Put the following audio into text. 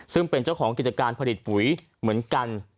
ซึ่งเป็นเจ้าของกิจการผลิตปุ๋ยเหมือนกัน